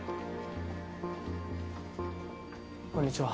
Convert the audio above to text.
こんにちは。